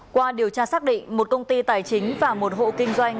qua điều tra xác định một công ty tài chính và một hộ kinh doanh